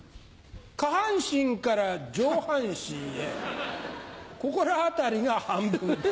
下半身から上半身へここら辺りが半分だ。